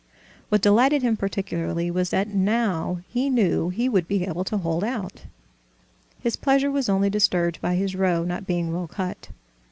What delighted him particularly was that now he knew he would be able to hold out. His pleasure was only disturbed by his row not being well cut.